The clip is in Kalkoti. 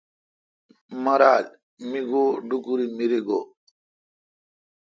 مرال۔ می گو ڈوکوری مری گو°